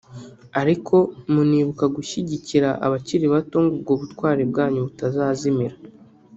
ariko munibuka gushyigikira abakiri bato ngo ubwo butwari bwanyu butazazimira